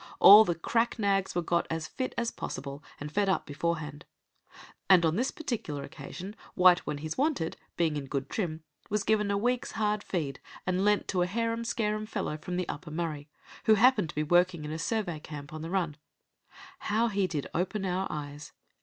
All the crack nags were got as fit as possible, and fed up beforehand; and on this particular occasion White when he's wanted, being in good trim, was given a week's hard feed and lent to a harum scarum fellow from the Upper Murray, who happened to be working in a survey camp on the run. How he did open our eyes!